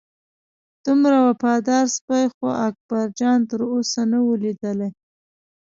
دومره وفاداره سپی خو اکبرجان تر اوسه نه و لیدلی.